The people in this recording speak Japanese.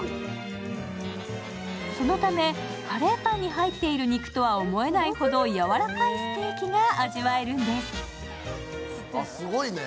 そのためカレーパンに入っている肉とは思えないほどやわらかいステーキが味わえるんです。